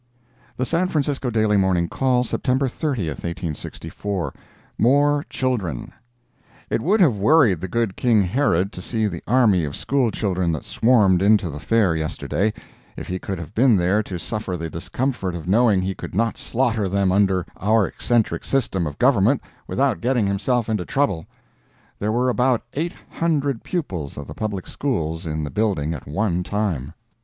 The San Francisco Daily Morning Call, September 30, 1864 MORE CHILDREN It would have worried the good King Herod to see the army of school children that swarmed into the Fair yesterday, if he could have been there to suffer the discomfort of knowing he could not slaughter them under our eccentric system of government without getting himself into trouble. There were about eight hundred pupils of the Public Schools in the building at one time.